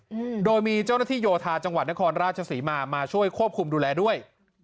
อืมโดยมีเจ้าหน้าที่โยธาจังหวัดนครราชศรีมามาช่วยควบคุมดูแลด้วย